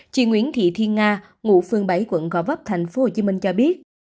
chị nguyễn thị thiên nga ngụ phường bảy quận gò vấp tp hcm cho biết